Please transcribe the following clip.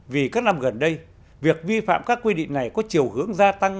vì các năm gần đây việc vi phạm các quy định này có chiều hướng gia tăng